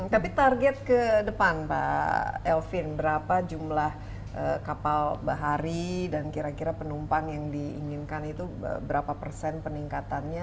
tapi target ke depan pak elvin berapa jumlah kapal bahari dan kira kira penumpang yang diinginkan itu berapa persen peningkatannya